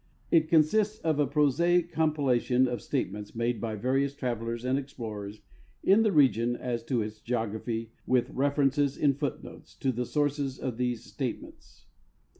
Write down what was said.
It consists of a prosaic compilation of statements made by vari ous travelers and explorers in the r'egion as to its geography, with references, in foot notes, to the sources of these statements.